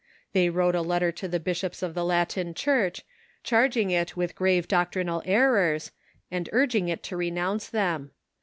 They wrote a letter to the bishops of the Latin Church, charging it with grave doctrinal errors, and urg ing it to renounce them.